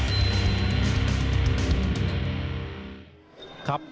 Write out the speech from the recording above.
เวลามาที่๓ที่ของหมู่นี้